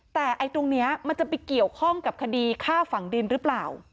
แต่ไอ้ตรงนี้มันจะไปเกี่ยวข้องกับคดีฆ่าฝั่งดินหรือเปล่า